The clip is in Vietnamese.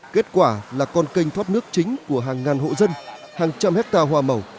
kết quả là con cành thoát nước chính của hàng ngàn hộ dân hàng trăm hecta hoa màu